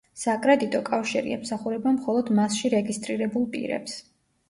საკრედიტო კავშირი ემსახურება მხოლოდ მასში რეგისტრირებულ პირებს.